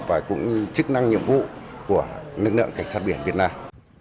và cũng như chức năng nhiệm vụ của nước nợ cảnh sát biển việt nam